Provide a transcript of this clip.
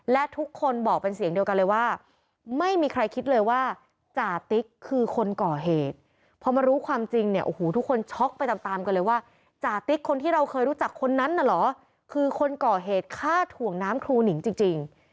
และทุกคนบอกเป็นเสียงเดียวกันเลยว่าไม่มีใครคิดเลยว่าจ่าติ๊กคือคนก่อเหตุพอมารู้ความจริงเนี่ยโอ้โหทุกคนช็อกไปตามตามกันเลยว่าจ่าติ๊กคนที่เราเคยรู้จักคนนั้นน่ะเหรอคือคนก่อเหตุฆ่าถ่วงน้ำครูหนิงจริง